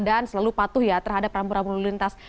dan selalu patuh ya terhadap rambu rambu lintas